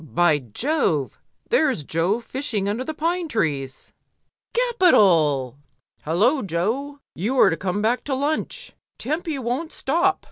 By Jove! there's Jo fishing under the pine trees! Capital! HuUoa, Jo, you are to come back to lunch. Tempy won't stop.